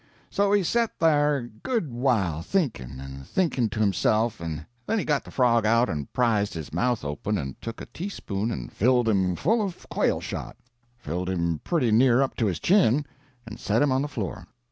"So he set there a good while thinking and thinking to himself and then he got the frog out and prized his mouth open and took a teaspoon and filled him full of quail shot filled him pretty near up to his chin and set him on the floor.